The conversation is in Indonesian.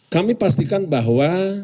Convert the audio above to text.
kami pastikan bahwa